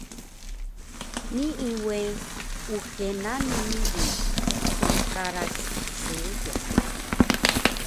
Nii we uxe nami nii smqaras seediq